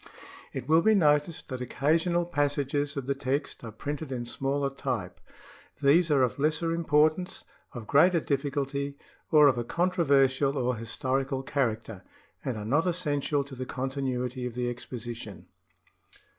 It will be noticed that occasional passages of the text are printed in smaller type. These are of lesser importance, of greater difficulty, or of a controversial or historical character, and are not essential to the continuity of the exposition.